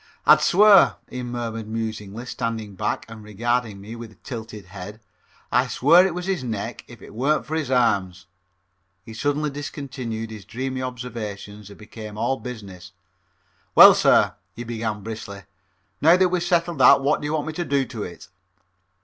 "I'd swear," he murmured musingly, standing back and regarding me with tilted head, "I'd swear it was his neck if it warn't for his arms." He suddenly discontinued his dreamy observations and became all business. "Well, sir," he began briskly, "now that we've settled that what do you want me to do to it?"